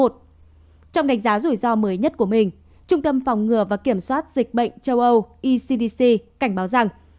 trong đánh giá rủi ro mới nhất của mình trung tâm phòng ngừa và kiểm soát dịch bệnh châu âu ecdc cảnh báo rằng